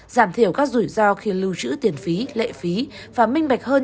giảm thiểu các rủi ro khi lưu trữ tiền phí lệ phí và minh bạch hơn